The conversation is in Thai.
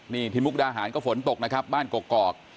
นี่ที่มุกดาหารก็ฝนตกนะครับบ้านกอก